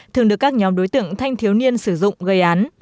thường được các nhóm đối tượng thanh thiếu niên sử dụng gây án